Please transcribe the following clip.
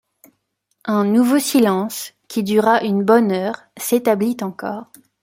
Un nouveau silence, qui dura une bonne heure, s’établit encore.